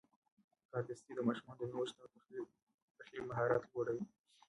کاردستي د ماشومانو د نوښت او تخیل مهارت لوړوي.